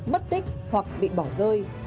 mất tích hoặc bị bỏ rơi